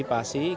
kita akan siapkan